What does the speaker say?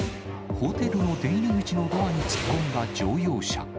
ホテルの出入り口のドアに突っ込んだ乗用車。